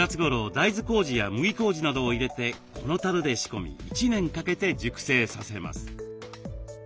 大豆こうじや麦こうじなどを入れてこのたるで仕込み１年かけて熟成させます。